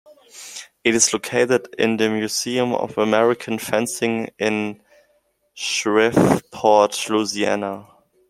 It is located in the Museum of American Fencing in Shreveport, Louisiana.